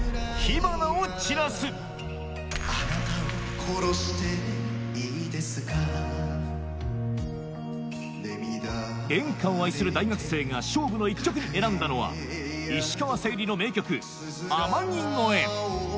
あなたを殺していいですか演歌を愛する大学生が勝負の一曲に選んだのは石川さゆりの名曲『天城越え』